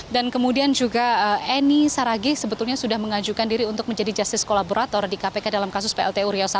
dan kemudian juga eni saragi sebetulnya sudah mengajukan diri untuk menjadi justice collaborator di kpk dalam kasus pltu riau satu